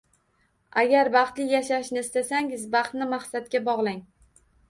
Agar baxtli yashashni istasangiz baxtni maqsadga bog’lang.